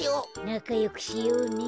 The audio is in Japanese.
なかよくしようね。